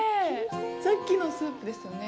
さっきのスープですよね？